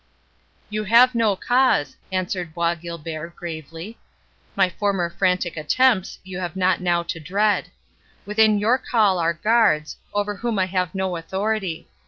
"You have no cause," answered Bois Guilbert, gravely; "my former frantic attempts you have not now to dread. Within your call are guards, over whom I have no authority.